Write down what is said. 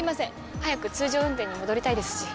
早く通常運転に戻りたいですし。